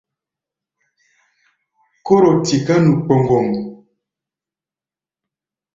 Kóro tiká nu kpoŋgom.